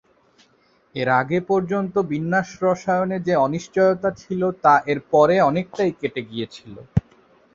এর আগে পর্যন্ত বিন্যাস রসায়নে যে অনিশ্চয়তা ছিল তা এর পরে অনেকটাই কেটে গিয়েছিল।